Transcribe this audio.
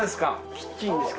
キッチンですか？